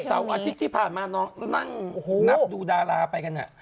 เสาร์อาทิตย์ที่ผ่านมาน้องนั่งนับดูดาราไปกัน